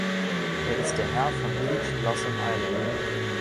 Er ist der Herr von Peach Blossom Island.